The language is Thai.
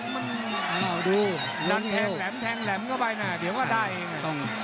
มันดูดันแทงแหลมแทงแหลมเข้าไปนะเดี๋ยวก็ได้เอง